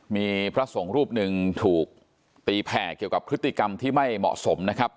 มีพระสงฆ์รูปหนึ่งถูกตีแผ่เกี่ยวกับพฤติกรรมที่ไม่เหมาะสมนะครับ